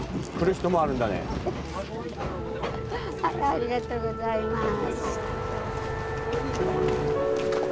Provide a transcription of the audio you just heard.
ありがとうございます。